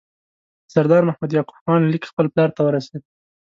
د سردار محمد یعقوب خان لیک خپل پلار ته ورسېد.